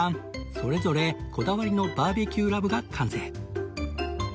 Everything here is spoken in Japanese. それぞれこだわりのバーベキューラブが完成